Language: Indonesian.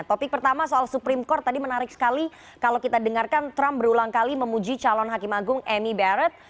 topik pertama soal supreme court tadi menarik sekali kalau kita dengarkan trump berulang kali memuji calon hakim agung amy bert